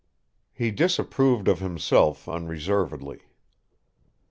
He disapproved of himself unreservedly.